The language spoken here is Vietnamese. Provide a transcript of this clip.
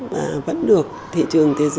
và vẫn được thị trường thế giới